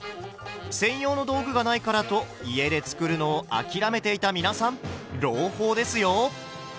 専用の道具がないからと家で作るのを諦めていた皆さん朗報ですよ！